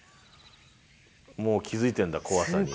もう気付いてんだ怖さに。